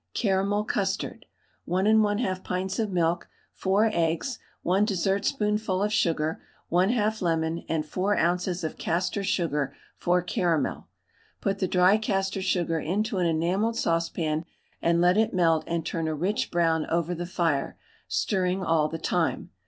CARAMEL CUSTARD. 1 1/2 pints of milk, 4 eggs, 1 dessertspoonful of sugar, 1/2 lemon and 4 oz. of castor sugar for caramel. Put the dry castor sugar into an enamelled saucepan and let it melt and turn a rich brown over the fire, stirring all the time.